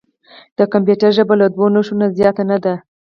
د کمپیوټر ژبه له دوه نښو نه زیاته نه ده.